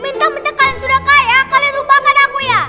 minta mentah kalian sudah kaya kalian lupakan aku ya